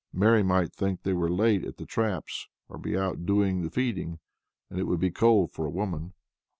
Mary might think they were late at the traps, and be out doing the feeding, and it would be cold for a woman.